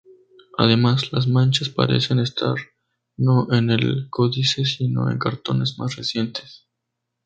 Además, las manchas parecen estar no en el códice sino en cartones más recientes.